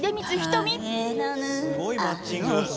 すごいマッチング。